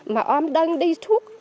mà ôm đơn đi thuốc